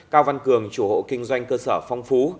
cao văn cường chủ hộ kinh doanh cơ sở phong phú